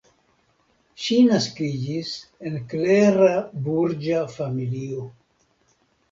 Ŝi naskiĝis en klera burĝa familio.